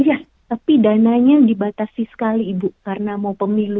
iya tapi dananya dibatasi sekali ibu karena mau pemilu